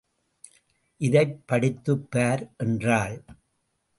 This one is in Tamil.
இதைப் படித்துப் சார்! என்றாள்.